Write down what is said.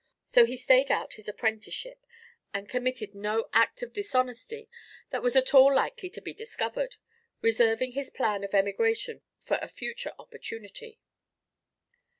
So he stayed out his apprenticeship, and committed no act of dishonesty that was at all likely to be discovered, reserving his plan of emigration for a future opportunity.